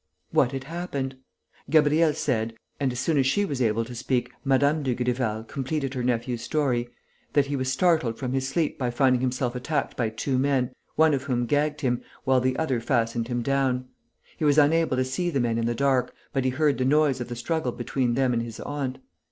What had happened? Gabriel said and, as soon as she was able to speak, Mme. Dugrival completed her nephew's story that he was startled from his sleep by finding himself attacked by two men, one of whom gagged him, while the other fastened him down. He was unable to see the men in the dark, but he heard the noise of the struggle between them and his aunt.